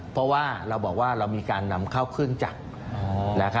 เพราะว่าเรามีการนำเข้าเครื่องจักร